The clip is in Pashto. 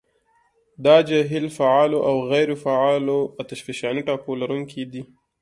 دا جهیل فعالو او غیرو فعالو اتشفشاني ټاپو لرونکي دي.